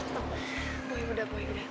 boi udah udah